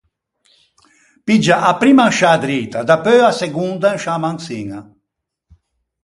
Piggia a primma in sciâ drita, dapeu a segonda in sciâ manciña.